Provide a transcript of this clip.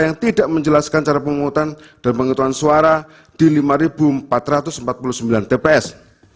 yang tidak menjelaskan cara penghutang dan penghitungan suara di lima empat ratus empat puluh sembilan tps